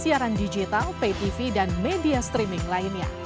sekarang kita tunggu dulu hasil pembukaan kpu